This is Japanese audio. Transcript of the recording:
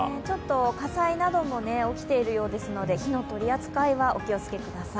火災なども起きているようですので火の取り扱いはお気をつけください。